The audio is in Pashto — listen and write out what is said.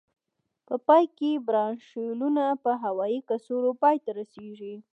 په پای کې برانشیولونه په هوایي کڅوړو پای ته رسيږي.